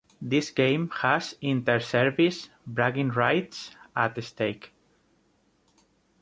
This game has inter-service "bragging rights" at stake.